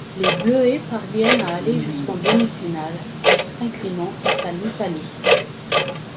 Les Bleuets parviennent à aller jusqu’en demi-finale, s'inclinant face à l’Italie.